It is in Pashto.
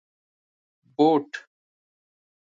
👞 بوټ